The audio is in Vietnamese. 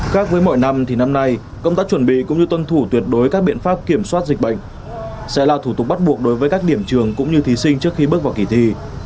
khác với mọi năm thì năm nay công tác chuẩn bị cũng như tuân thủ tuyệt đối các biện pháp kiểm soát dịch bệnh sẽ là thủ tục bắt buộc đối với các điểm trường cũng như thí sinh trước khi bước vào kỳ thi